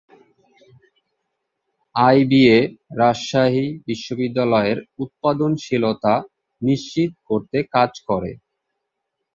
IBA, Rajshahi বিশ্ববিদ্যালয়ের উৎপাদনশীলতা নিশ্চিত করতে কাজ করে।